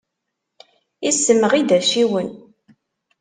Issemɣi-d acciwen.